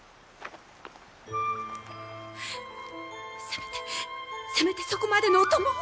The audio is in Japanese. せめてせめてそこまでのお供を。